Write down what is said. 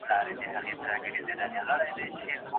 هغه ډېر ړانده سړي چي هلته دي، په ګڼ ځای کي ږیري لري.